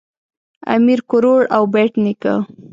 امیر کروړ او بېټ نیکه